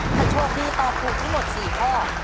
ถ้าโชคดีตอบถูกทั้งหมด๔ข้อ